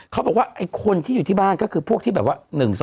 เขาบอกว่าช่างแต่๑ที่อยู่ที่บ้านคือก็คือพวกที่แบบว่า